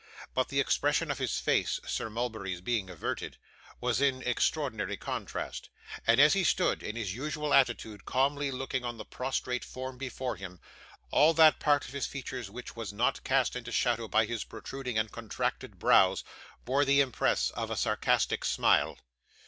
But the expression of his face, Sir Mulberry's being averted, was in extraordinary contrast; and as he stood, in his usual attitude, calmly looking on the prostrate form before him, all that part of his features which was not cast into shadow by his protruding and contracted brows, bore the impress of a sarcastic smile.